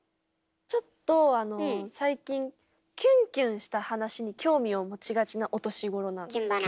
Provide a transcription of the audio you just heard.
ちょっとあの最近キュンキュンした話に興味を持ちがちなお年頃なんです。